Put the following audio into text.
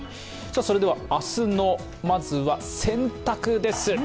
それでは明日の洗濯です。